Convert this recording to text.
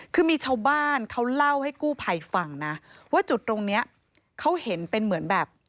คือมีชาวบ้านเขาเล่าให้กู้ภัยฟังนะว่าจุดตรงเนี้ยเขาเห็นเป็นเหมือนแบบ